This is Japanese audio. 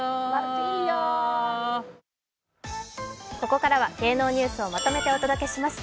ここからは芸能ニュースをまとめてお届けします。